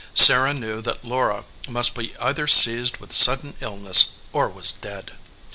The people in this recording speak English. Sarah knew that Laura must be either seized with sudden illness or was dead.